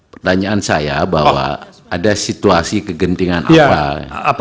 pertanyaan saya bahwa ada situasi kegentingan awal